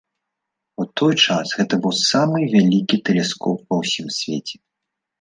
У той час гэта быў самы вялікі тэлескоп ва ўсім свеце.